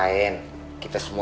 masuk kuliah dulu